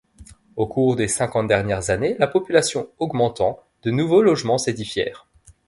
Au cours des cinquante dernières années, la population augmentant, de nouveaux logements s’édifièrent.